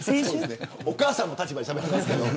お母さんの立場でしゃべってますけれど。